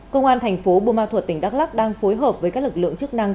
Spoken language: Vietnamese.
công an thành phố bô ma thuật tỉnh đắk lắc đang phối hợp với các lực lượng chức năng